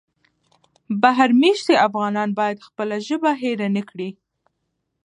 بهر مېشتي افغانان باید خپله ژبه هېره نه کړي.